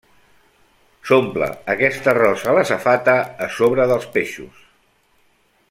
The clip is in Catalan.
S'omple aquest arròs a la safata, a sobre dels peixos.